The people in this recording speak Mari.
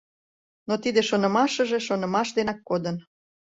Но тиде шонымашыже шонымаш денак кодын.